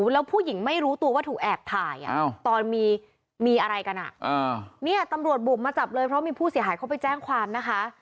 แล้วผู้หญิงไม่รู้ตัวว่าถูกแอบถ่ายตอนมีอะไรกันเนี่ยตำรวจบุกมาจับเลยเพราะมีผู้เสียหายเขาไปแจ้งความนะคะ